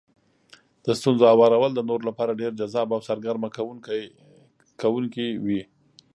د ستونزو هوارول د نورو لپاره ډېر جذاب او سرګرمه کوونکي وي.